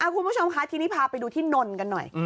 คุณผู้ชมค่ะทีนี้พาไปดูที่นนกันหน่อย